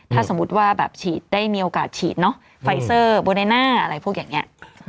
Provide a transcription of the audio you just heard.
ถ้าสมมุติว่าแบบฉีดได้มีโอกาสฉีดเนอะไฟเซอร์โบเนน่าอะไรพวกอย่างนี้